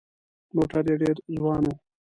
موټر یې ډېر ځوان و.